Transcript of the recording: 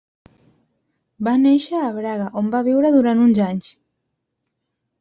Va néixer a Braga, on viure durant uns anys.